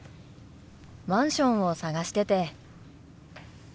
マンションを探してて。